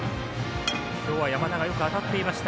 今日は山田がよく当たっていました。